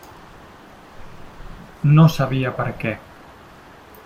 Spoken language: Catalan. No sabia per què.